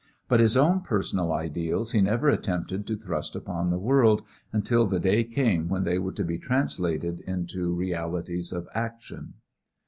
But his own personal ideals he never attempted to thrust upon the world until the day came when they were to be translated into realities of action.